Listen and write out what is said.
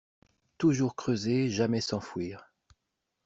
Toujours creuser, jamais s’enfouir